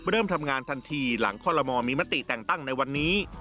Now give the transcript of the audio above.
เริ่มทำงานทันทีหลังคอลโลมอลมีมติแต่งตั้งในวันนี้